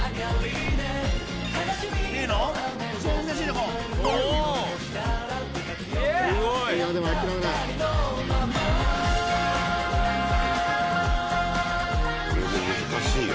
これも難しいよ。